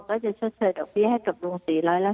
ก็จะเชิดเชิดออกไปให้กับโรงศรีร้อยละ๓